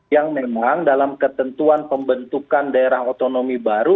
yang memang dalam ketentuan pembentukan daerah otonomi baru